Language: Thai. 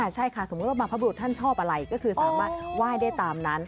ใช่ค่ะสมมุติว่าบรรพบรุษท่านชอบอะไรก็คือสามารถไหว้ได้ตามนั้น